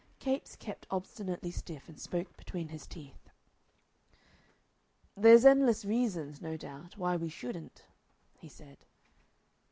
Capes kept obstinately stiff, and spoke between his teeth. "There's endless reasons, no doubt, why we shouldn't," he said.